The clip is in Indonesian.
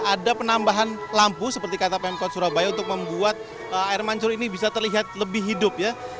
ada penambahan lampu seperti kata pemkot surabaya untuk membuat air mancur ini bisa terlihat lebih hidup ya